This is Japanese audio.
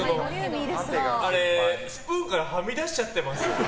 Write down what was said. スプーンからはみ出しちゃってますよね。